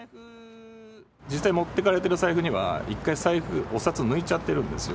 実際持ってかれてる財布には、一回財布、お札抜いちゃってるんですよ。